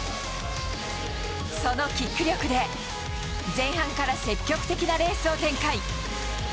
そのキック力で前半から積極的なレースを展開。